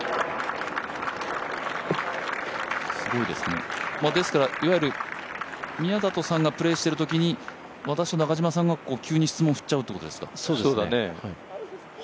すごいですね、ですからいわゆる宮里さんがプレーしているときに私と中嶋さんが急に質問を振っちゃうっていうことですか。